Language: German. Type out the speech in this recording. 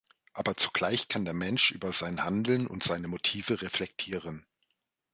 Aber zugleich kann der Mensch über sein Handeln und seine Motive reflektieren.